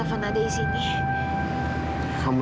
aku mau berbohong sama kamu